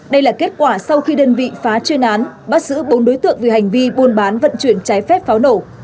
đây là kết quả sau khi đơn vị phá chuyên án bắt giữ bốn đối tượng về hành vi buôn bán vận chuyển trái phép pháo nổ